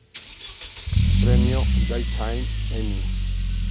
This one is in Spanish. Premio Daytime Emmy